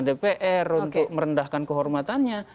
dpr untuk merendahkan kehormatannya